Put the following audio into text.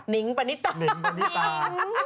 นิ้งปะนิตา